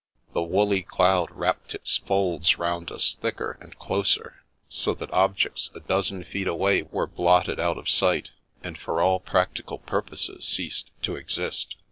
The woolly cloud wrapped its folds round us thicker and closer, so that objects a dozen feet away were blotted out of sight, and for all practical purposes ceased to exist.